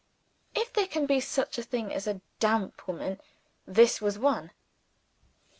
If there can be such a thing as a damp woman this was one.